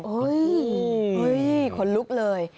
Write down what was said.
โอ้ยคนลุกเลย